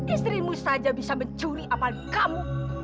istrimu saja bisa mencuri amal kamu